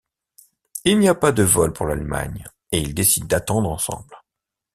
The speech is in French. Il n'y a pas de vols pour l'Allemagne et ils décident d'attendre ensemble.